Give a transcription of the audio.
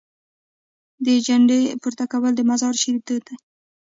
د جنډې پورته کول د مزار شریف دود دی.